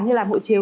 như là hộ chiếu